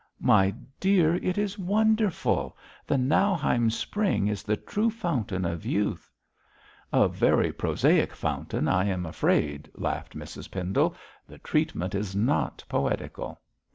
'My dear, it is wonderful! The Nauheim spring is the true fountain of youth.' 'A very prosaic fountain, I am afraid,' laughed Mrs Pendle; 'the treatment is not poetical.'